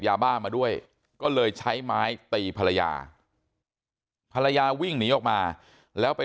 ยาบ้ามาด้วยก็เลยใช้ไม้ตีภรรยาภรรยาวิ่งหนีออกมาแล้วไป